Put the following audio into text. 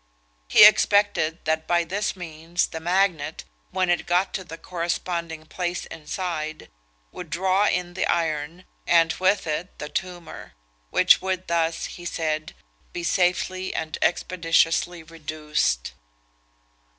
He expected that by this means the magnet, when it got to the corresponding place inside, would draw in the iron, and with it the tumour; which would thus, he said, be safely and expeditiously reduced.